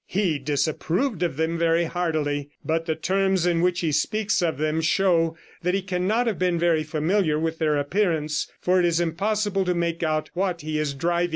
He disapproved of them very heartily, but the terms in which he speaks of them show that he cannot have been very familiar with their appearance, for it is impossible to make out what he is driving at.